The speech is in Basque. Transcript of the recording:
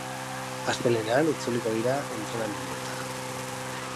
Astelehenean itzuliko dira entrenamenduetara.